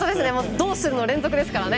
「どうする？」の連続ですからね。